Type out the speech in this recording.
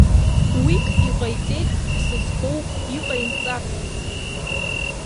Уик иҟаиҵеит ԥсы зхоу иҟаимҵацыз!